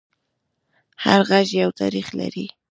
هر غږ یو تاریخ لري